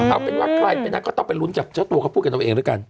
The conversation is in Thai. เอาเป็นว่าใครเป็นนักก็ต้องไปลุ้นกับเจ้าตัวเขาพูดกันเอาเองด้วยกัน